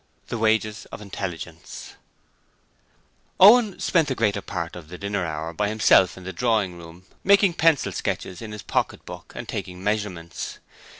The Wages of Intelligence Owen spent the greater part of the dinner hour by himself in the drawing room making pencil sketches in his pocket book and taking measurements.